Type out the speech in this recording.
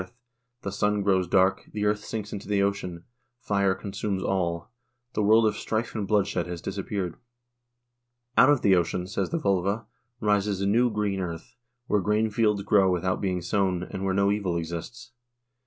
106 HISTORY OF THE NORWEGIAN PEOPLE the sun grows dark, the earth sinks into the ocean, fire consumes all — the world of strife and bloodshed has disappeared. Out of the ocean, says the vglva, rises a new green earth, where grain fields grow without being sown, and where no evil exists.